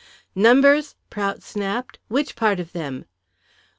"Numbers?" Prout snapped. "Which part of them?"